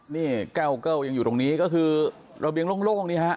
นี่แก้วเกิ้ลยังอยู่ตรงนี้ก็คือระเบียงโล่งนี่ฮะ